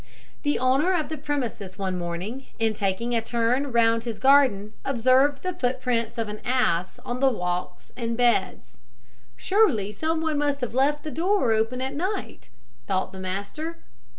The owner of the premises one morning, in taking a turn round his garden, observed the footprints of an ass on the walks and beds. "Surely some one must have left the door open at night," thought the master.